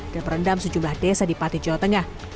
dan merendam sejumlah desa di pati jawa tengah